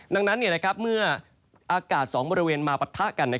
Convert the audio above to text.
ดังนั้นเมื่ออากาศ๒บริเวณมาปะทะกัน